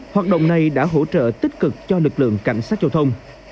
hoạt động này đã hỗ trợ tích cực cho lực lượng cảnh sát giao thông